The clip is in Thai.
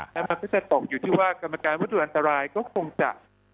แล้วมันก็จะตกอยู่ที่ว่ากรรมการวัตถุอันตรายก็คงจะ